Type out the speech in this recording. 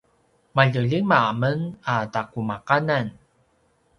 malje lima men a taqumaqanan